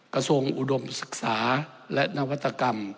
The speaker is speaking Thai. กระทรวงอุดมศึกษาและนวัตกรรม